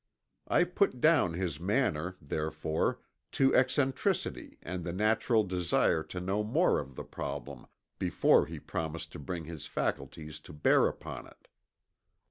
I put down his manner, therefore, to eccentricity and the natural desire to know more of the problem before he promised to bring his faculties to bear upon it.